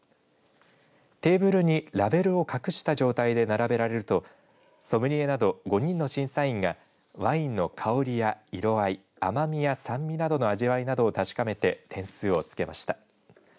テーブルにラベルを隠した状態で並べられるとソムリエなど５人の審査員がワインの香りや色合い、甘味や酸味などの味わいなどを確かめて点数をつけました。